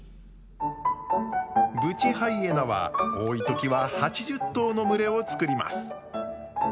ブチハイエナは多い時は８０頭の群れを作ります。